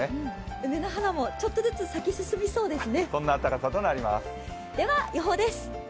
梅の花もちょっとずつ咲き進みそうですね。